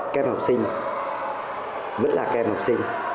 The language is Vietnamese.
kem học sinh vẫn là kem học sinh